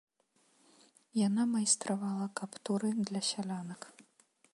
Яна майстравала каптуры для сялянак.